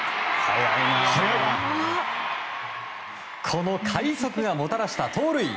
この快足がもたらした盗塁。